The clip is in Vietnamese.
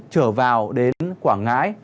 trở vào đến quảng ngãi